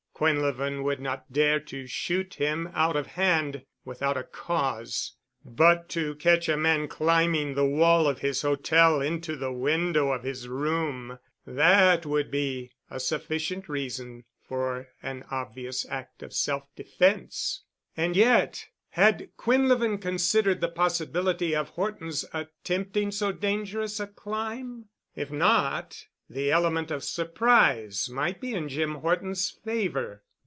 Quinlevin would not dare to shoot him out of hand without a cause, but to catch a man climbing the wall of his hotel into the window of his room,—that would be a sufficient reason for an obvious act of self defense. And yet had Quinlevin considered the possibility of Horton's attempting so dangerous a climb? If not, the element of surprise might be in Jim Horton's favor.